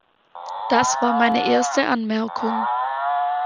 Das war meine erste Anmerkung.